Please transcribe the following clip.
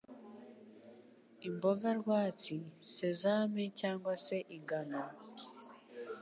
imboga rwatsi, sesame cyangwa se ingano,